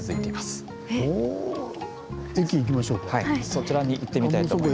そちらに行ってみたいと思います。